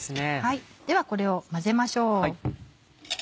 ではこれを混ぜましょう。